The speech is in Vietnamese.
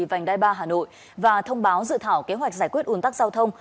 vành đai ba hà nội và thông báo dự thảo kế hoạch giải quyết un tắc giao thông